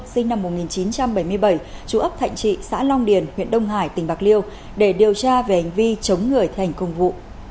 sinh năm một nghìn chín trăm bảy mươi bảy chú ấp thạnh trị xã long điền huyện đông hải tỉnh bạc liêu để điều tra về hành vi chống người thi hành công vụ